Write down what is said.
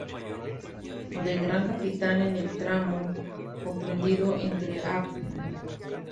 De Gran Capitán en el tramo comprendido entre Av.